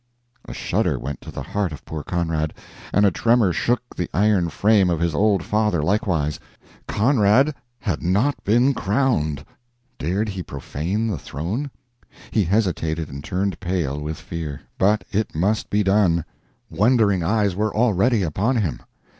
A shudder went to the heart of poor Conrad, and a tremor shook the iron frame of his old father likewise. CONRAD HAD NOT BEEN CROWNED dared he profane the throne? He hesitated and turned pale with fear. But it must be done. Wondering eyes were already upon him.